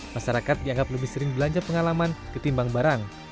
masyarakat dianggap lebih sering belanja pengalaman ketimbang barang